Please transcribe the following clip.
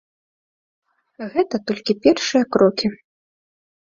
Гэта толькі першыя крокі.